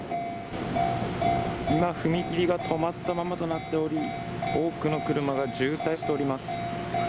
今、踏切が止まったままとなっており、多くの車が渋滞しております。